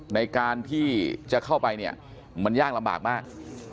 ในการที่จะเข้าไปเนี่ยมันยากลำบากมาก